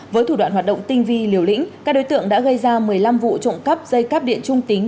với thủ đoạn hoạt động tinh vi liều lĩnh các đối tượng đã gây ra một mươi năm vụ trộm cắp dây cắp điện trung tính